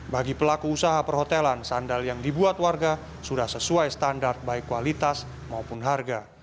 bagi pelaku usaha perhotelan sandal yang dibuat warga sudah sesuai standar baik kualitas maupun harga